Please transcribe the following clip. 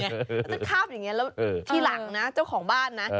หรือว่าจะข้าบอย่างเงี้ยทีหลังนะเจ้าของบ้านนะ